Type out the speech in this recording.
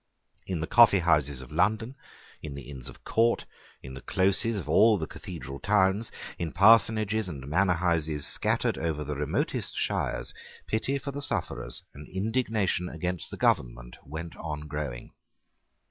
In the coffeehouses of London, in the Inns of Court, in the closes of all the Cathedral towns, in parsonages and manor houses scattered over the remotest shires, pity for the sufferers and indignation against the government went on growing.